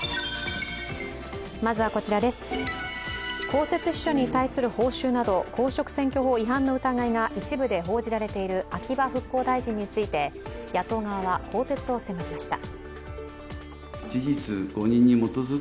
公設秘書に対する報酬など公職選挙法違反などの疑いが一部で報じられている秋葉復興大臣について野党側は更迭を迫りました。